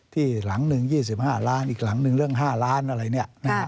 หลังหนึ่ง๒๕ล้านอีกหลังหนึ่งเรื่อง๕ล้านอะไรเนี่ย